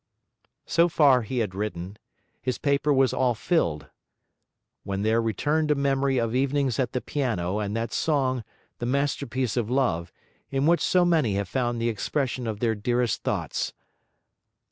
So far he had written, his paper was all filled, when there returned a memory of evenings at the piano, and that song, the masterpiece of love, in which so many have found the expression of their dearest thoughts.